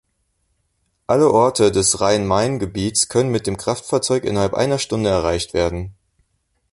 Alle Orte des Rhein-Main-Gebiets können mit dem Kraftfahrzeug innerhalb einer Stunde erreicht werden.